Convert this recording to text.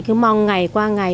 cứ mong ngày qua ngày